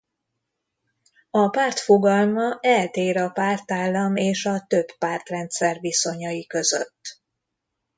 A párt fogalma eltér a pártállam és a többpártrendszer viszonyai között.